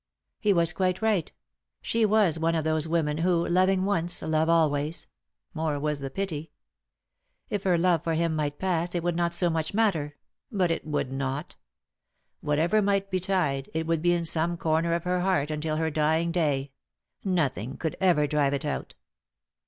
He was quite right ; she was one of those women who, loving once, love always — more was the pity. If her love for him might pass it would not so much matter, but it would not ; whatever might betide, it would be in some corner of her heart until her dying day ; nothing could ever drive it out.